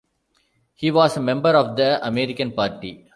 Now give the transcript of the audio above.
He was a member of the American Party.